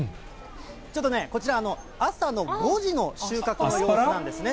ちょっとね、こちら、朝の５時の収穫の様子なんですね。